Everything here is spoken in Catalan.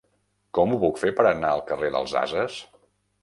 Com ho puc fer per anar al carrer dels Ases?